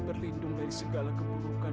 berlindung dari segala keburukan